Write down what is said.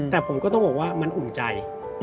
แต่ผมก็ต้องบอกว่ามันอุ่นใจ